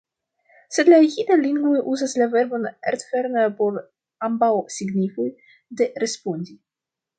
Sed la jida lingvo uzas la verbon entfern por ambaŭ signifoj de respondi.